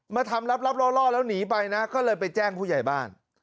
มาทำลับล่อแล้วหนีไปนะก็เลยไปแจ้งผู้ใหญ่บ้าน